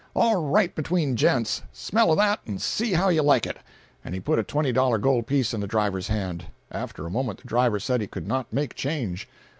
All right between gents. Smell of that, and see how you like it!" And he put a twenty dollar gold piece in the driver's hand. After a moment the driver said he could not make change.